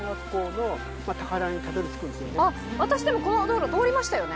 私でもこの道路通りましたよね